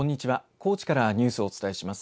高知からニュースをお伝えします。